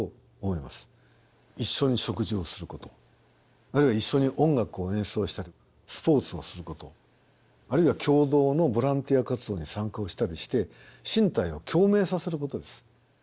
一緒に食事をすることあるいは一緒に音楽を演奏したりスポーツをすることあるいは共同のボランティア活動に参加をしたりして身体を共鳴させることです。